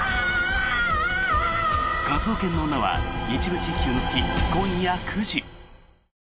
「科捜研の女」は一部地域を除き、今夜９時。